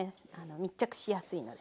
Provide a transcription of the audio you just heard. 密着しやすいので。